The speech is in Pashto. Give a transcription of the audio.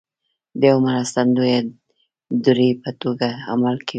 د یوې مرستندویه دړې په توګه عمل کوي